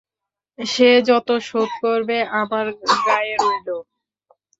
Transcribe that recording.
সে যত শোধ করবে আমার গায়ে রইল!